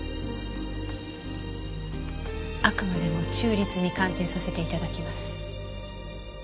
あくまでも中立に鑑定させて頂きます。